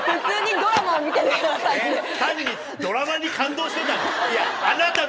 ドラマに感動してたの？